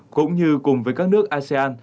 cũng như cùng với các nước asean